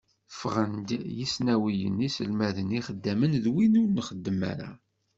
Ffɣen-d yisnawiyen, iselmaden, ixeddamen d wid ur nxeddem ara.